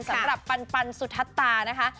สำหรับปันสุธัตรานะคะ